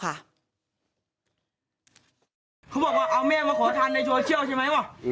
เขาบอกว่าเอาแม่มาขอทานในโซเชียลใช่ไหมว่ะ